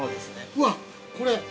◆うわっ、これ。